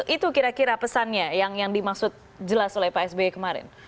itu kira kira pesannya yang dimaksud jelas oleh pak sby kemarin